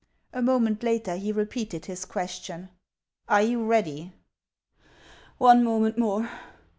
A moment later he repeated his question :" Are you ready ?"" One moment more